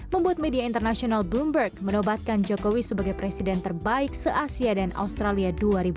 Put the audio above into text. membuat media internasional bloomberg menobatkan jokowi sebagai presiden terbaik se asia dan australia dua ribu dua puluh